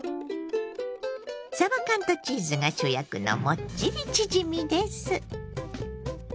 さば缶とチーズが主役のもっちりチヂミです。